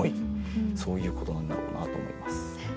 そういうことなんだろうなと思います。